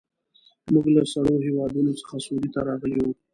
موږ له سړو هېوادونو څخه سعودي ته راغلي وو.